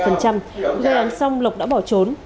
ngày ăn xong lộc đã bỏ trốn